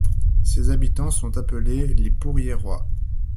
Ses habitants sont appelés les Pourriérois.